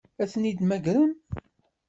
Ad ten-id-temmagrem?